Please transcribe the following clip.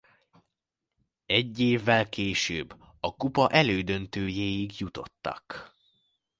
Egy évvel később a kupa elődöntőjéig jutottak.